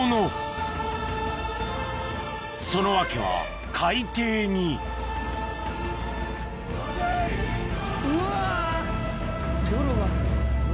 その訳は海底にうわ！